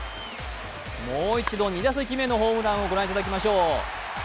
もう一度、２打席目のホームランを御覧いただきましょう。